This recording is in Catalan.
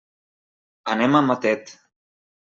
Anem a Matet.